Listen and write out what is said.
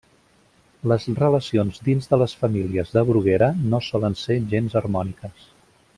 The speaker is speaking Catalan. Les relacions dins de les famílies de Bruguera no solen ser gens harmòniques.